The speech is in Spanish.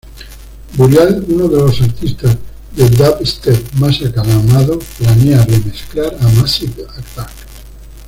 Burial, uno de los artistas de dubstep más aclamados, planea remezclar a Massive Attack.